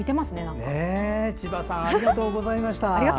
千葉さんありがとうございました。